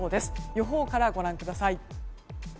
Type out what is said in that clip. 予報からご覧ください。